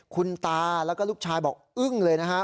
คุณตาแล้วก็ลูกชายบอกอึ้งเลยนะฮะ